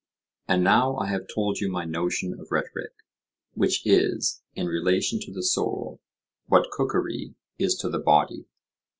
And now I have told you my notion of rhetoric, which is, in relation to the soul, what cookery is to the body.